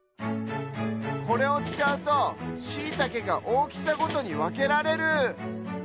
これをつかうとシイタケがおおきさごとにわけられる！